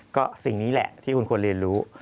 ก็สิ่งนี้แหละที่คุณควรเรียนรู้